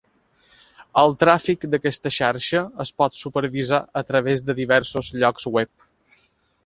El tràfic d'aquesta xarxa es pot supervisar a través de diversos llocs web.